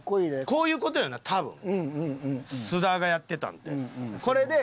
こういう事よな多分菅田がやってたんって。